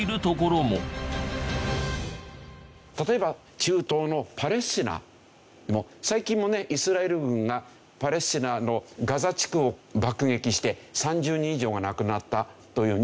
例えば中東のパレスチナも最近もねイスラエル軍がパレスチナのガザ地区を爆撃して３０人以上が亡くなったというニュースが出ていますし。